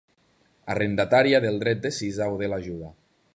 Arrendatària del dret de cisa o de l'ajuda.